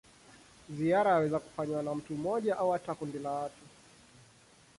Ziara yaweza kufanywa na mtu mmoja au hata kundi la watu.